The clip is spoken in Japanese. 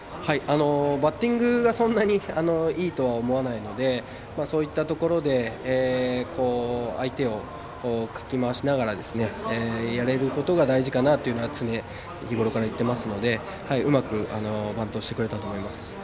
バッティングがそんなにいいとは思わないのでそういったところで相手をかき回しながらやれることが大事だということは常日ごろから言っていますのでうまくバントしてくれたと思います。